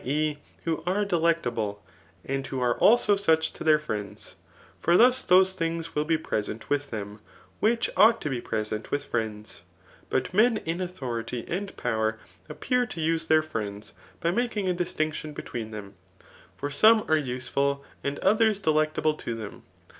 e. who are delectable,] and who are also such to their friends ; for thus those things will be present with diem, which ought to be present with friends. But men in authority and power, appear to use their friends by making a distinction betweai them ; for some are useful^ and others delectable to them.